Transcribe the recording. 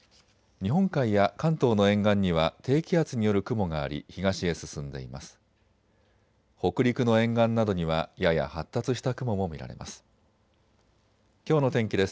日本海や関東の沿岸には低気圧による雲があり、東へ進んでいます。